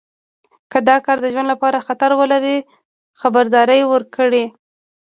که دا کار د ژوند لپاره خطر ولري خبرداری ورکړئ.